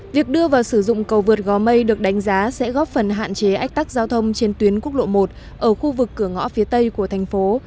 việc đưa vào sử dụng cầu vượt gò mây được đánh giá sẽ góp phần hạn chế ách tắc giao thông trên tuyến quốc lộ một ở khu vực cửa ngõ phía tây của thành phố